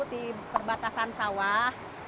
di perbatasan sawah